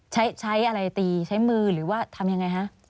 ใช้อะไรตีใช้มือหรือว่าทำยังไงฮะ